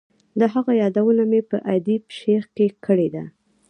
د هغه یادونه مې په ادیب شیخ کې کړې ده.